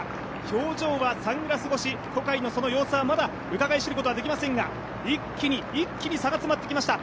表情はサングラス越し、小海のその様子はうかがい知ることはできませんが一気に差が詰まってきました